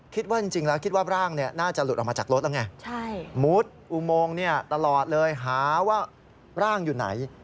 คิดว่าจริงแล้วคิดว่าร่างน่าจะหลุดออกมาจากรถแล้วไง